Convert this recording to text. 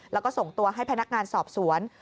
แล้วก็ส่งตัวให้พนักงานสอบสวน